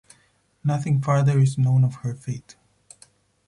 Nothing further is known of her fate.